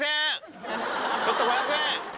ちょっと５００円！